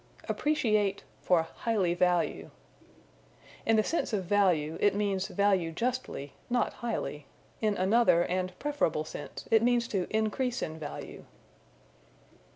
Appreciate for Highly Value. In the sense of value, it means value justly, not highly. In another and preferable sense it means to increase in value.